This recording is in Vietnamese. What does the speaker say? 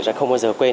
sẽ không bao giờ quên